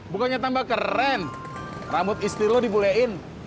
bukannya tambah keren rambut istri lo dibolehin